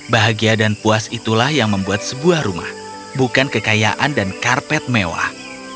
bahagia dan puas itulah yang membuat sebuah rumah bukan kekayaan dan karpet mewah